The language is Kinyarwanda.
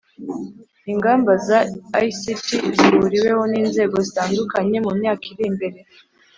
ingamba za ict zihuriweho n'inzego zitandukanye mu myaka iri mbere